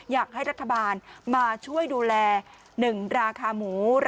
อยากให้รัฐบาลมาช่วยดูแล๑ราคาหมู